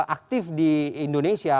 aktif di indonesia